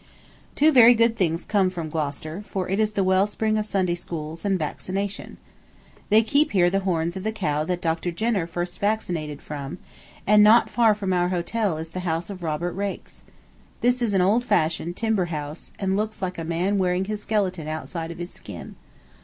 Two very good things come from Gloucester, for it is the well spring of Sunday schools and vaccination. They keep here the horns of the cow that Dr. Jenner first vaccinated from, and not far from our hotel is the house of Robert Raikes. This is an old fashioned timber house, and looks like a man wearing his skeleton outside of his skin.